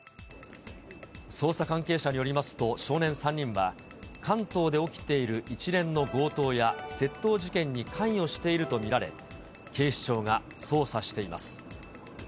捜査関係者によりますと、少年３人は、関東で起きている一連の強盗や窃盗事件に関与していると見られ、警視庁が捜査しています。